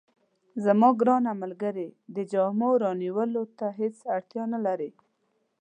زما ګرانه ملګرې، د جامو رانیولو ته هیڅ اړتیا نه لرې.